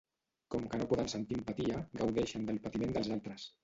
Com que no poden sentir empatia, gaudeixen del patiment dels altres.